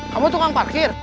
kamu tukang parkir